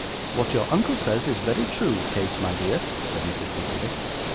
'What your uncle says is very true, Kate, my dear,' said Mrs. Nickleby.